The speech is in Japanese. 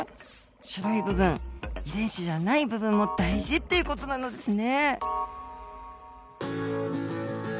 白い部分遺伝子じゃない部分も大事っていう事なのですね。